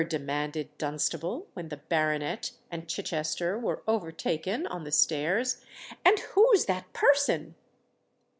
demanded Dunstable, when the baronet and Chichester were overtaken on the stairs: "and who's that person?"